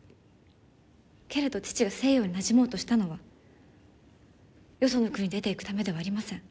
けれど父が西洋になじもうとしたのはよその国に出ていくためではありません。